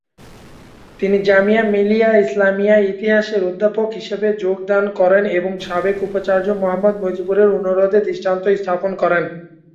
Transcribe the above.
তিনি জামিয়া মিলিয়া ইসলামিয়ায় ইতিহাসের অধ্যাপক হিসেবে যোগদান করেন এবং সাবেক উপাচার্য মোহাম্মদ মুজিবের অনুরোধে দৃষ্টান্ত স্থাপন করেন।